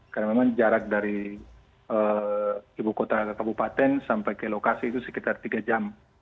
karena memang jarak dari ibu kota atau kabupaten sampai ke lokasi itu sekitar tiga jam